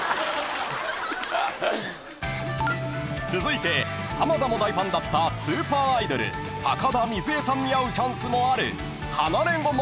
［続いて浜田も大ファンだったスーパーアイドル高田みづえさんに会うチャンスもある放駒部屋］